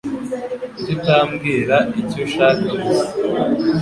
Kuki utambwira icyo ushaka gusa?